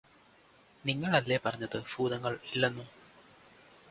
നിങ്ങളല്ലേ പറഞ്ഞത് ഭൂതങ്ങള് ഇല്ലെന്ന്